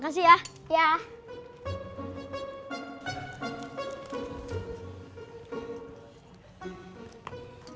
channel yang tau absennya